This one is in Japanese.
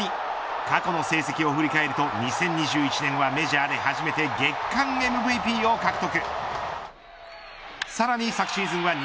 過去の成績を振り返ると２０２１年はメジャーで初めて月間ＭＶＰを獲得。